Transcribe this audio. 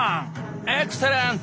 エクセレント！